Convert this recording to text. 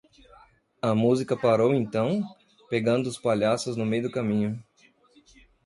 A música parou então? pegando os palhaços no meio do caminho.